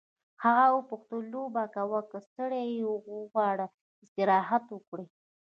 هغه وپوښتل لوبه کوو که ستړی یې او غواړې استراحت وکړې.